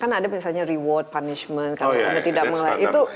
kan ada misalnya reward punishment kalau anda tidak mulai